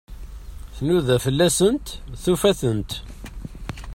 Tnuda fell-asent, tufa-tent.